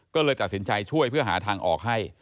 ก็เลยตัดสินใจช่วยเพื่อหาทางออกให้